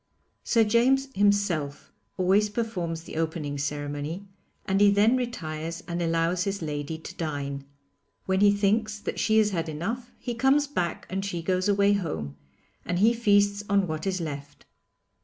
Sir James himself always performs the opening ceremony, and he then retires and allows his lady to dine. When he thinks that she has had enough he comes back and she goes away home, and he feasts on what is left.